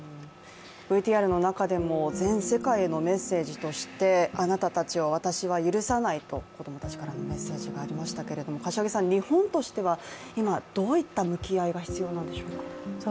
ＶＴＲの中でも全世界へのメッセージとしてあなたたちを私は許さないという子供たちからのメッセージがありましたけど日本としてはどういった向き合いが必要なんでしょうか。